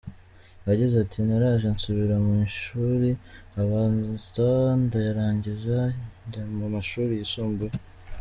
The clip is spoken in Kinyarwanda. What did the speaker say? Yagize Aati “Naraje nsubira mu ishuri, abanza ndayarangiza njya mu mashuri yisumbuye.